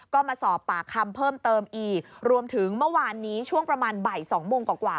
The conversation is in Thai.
ก็มาสอบปากคำเพิ่มเติมอีกรวมถึงเมื่อวานนี้ช่วงประมาณบ่ายสองโมงกว่า